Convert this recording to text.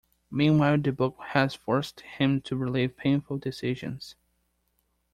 Meanwhile, the book has forced him to relive painful decisions.